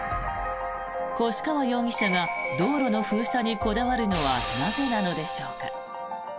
越川容疑者が道路の封鎖にこだわるのはなぜなのでしょうか。